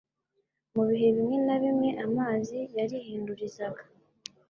Mu bihe bimwe na bimwe amazi yarihindurizaga,